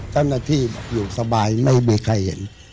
เจ้าหน้าที่อยู่สบายไม่มีใครเห็น